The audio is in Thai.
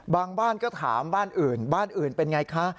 บ้านก็ถามบ้านอื่นบ้านอื่นเป็นไงคะ